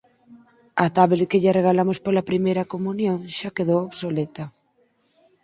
A tablet que lle regalamos pola primeira comunión xa quedou obsoleta.